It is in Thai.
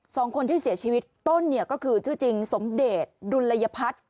สองคนที่เสียชีวิตต้นเนี่ยก็คือชื่อจริงสมเดชดุลยพัฒน์